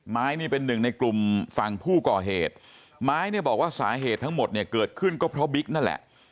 ไม้นี่เป็นหนึ่งในกลุ่มฝั่งผู้ก่อเหตุไม้เนี่ยบอกว่าสาเหตุทั้งหมดเนี่ยเกิดขึ้นก็เพราะบิ๊กนั่นแหละ